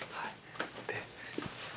で。